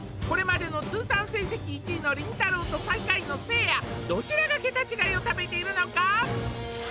これまでの通算成績１位のりんたろー。と最下位のせいやどちらがケタ違いを食べているのか？